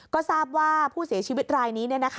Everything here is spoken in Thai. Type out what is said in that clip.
ก็ทราบว่าผู้เสียชีวิตรายนี้